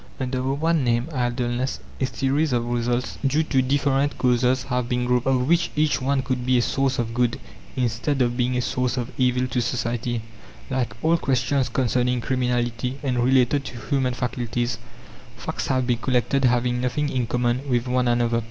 Under the one name, idleness, a series of results due to different causes have been grouped, of which each one could be a source of good, instead of being a source of evil to society. Like all questions concerning criminality and related to human faculties, facts have been collected having nothing in common with one another.